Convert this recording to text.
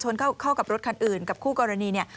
เข้ากับรถคันอื่นกับคู่กรณีเนี่ย